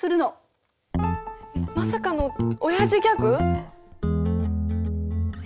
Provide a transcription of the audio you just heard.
まさかのオヤジギャグ。